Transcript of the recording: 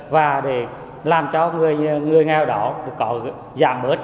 và để làm cho người nghèo đó có giảm bớt